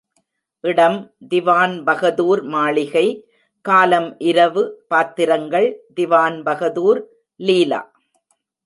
இடம் திவான்பகதூர் மாளிகை காலம் இரவு பாத்திரங்கள் திவான்பகதூர், லீலா.